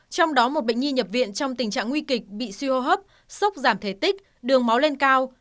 trong đó một bệnh nhi nhập viện trong tình trạng nguy kịch bị suy hô hấp sốc giảm thể tích đường máu lên cao